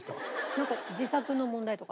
なんか自作の問題とか。